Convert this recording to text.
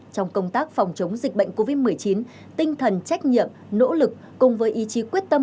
trong công tác phòng chống dịch bệnh covid một mươi chín tinh thần trách nhiệm nỗ lực cùng với ý chí quyết tâm